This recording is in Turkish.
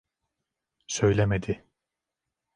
Söylemedi.